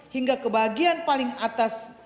hingga kebahagiaan paling atas